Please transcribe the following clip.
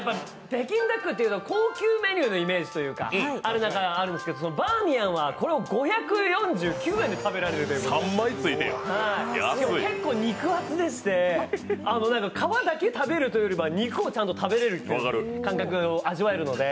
北京ダックというのは高級メニューのイメージがあるんですけど、バーミヤンはこれを５４９円で食べられるという、結構肉厚でして、皮だけで食べるというより、肉をちゃんと食べれるという感覚を味わえるんで。